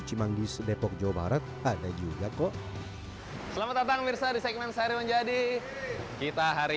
cimanggis depok jawa barat ada juga kok selamat datang mirsa di segmen sehari menjadi kita hari